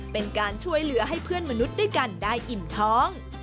เป็นการช่วยเหลือให้เพื่อนมนุษย์ด้วยกันได้อิ่มท้อง